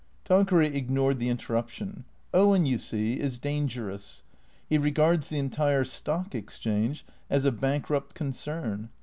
Tanqueray ignored the interruption. " Owen, you see, is dangerous. He regards the entire Stock Exchange as a hank rupt concern.